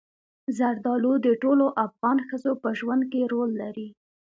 زردالو د ټولو افغان ښځو په ژوند کې رول لري.